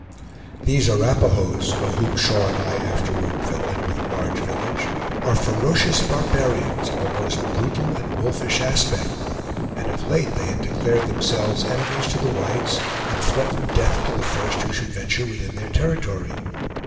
These Arapahoes, of whom Shaw and I afterward fell in with a large village, are ferocious barbarians, of a most brutal and wolfish aspect, and of late they had declared themselves enemies to the whites, and threatened death to the first who should venture within their territory.